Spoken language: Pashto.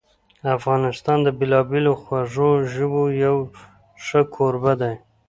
افغانستان د بېلابېلو خوږو ژبو یو ښه کوربه ده.